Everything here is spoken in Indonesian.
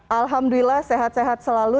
alhamdulillah sehat sehat selalu